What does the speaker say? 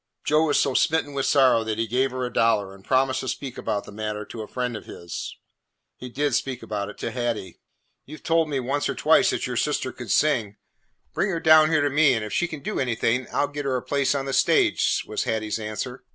Joe was so smitten with sorrow that he gave her a dollar and promised to speak about the matter to a friend of his. He did speak about it to Hattie. "You 've told me once or twice that your sister could sing. Bring her down here to me, and if she can do anything, I 'll get her a place on the stage," was Hattie's answer.